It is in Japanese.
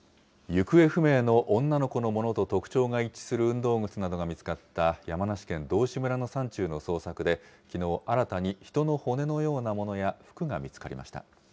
行方不明の女の子のものと特徴が一致する運動靴などが見つかった山梨県道志村の山中の捜索で、きのう、新たに人の骨のようなものや服が見つかりました。